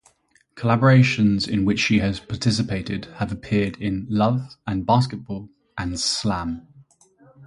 Collaborations in which she has participated have appeared in "Love and Basketball" and "Slam".